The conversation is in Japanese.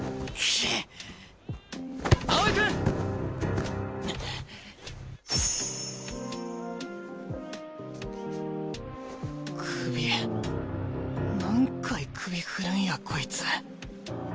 首何回首振るんやこいつ。